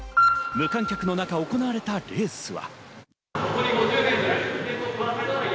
無観客の中、行われたレースは。